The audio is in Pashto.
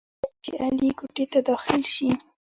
کله چې علي کوټې ته داخل شي،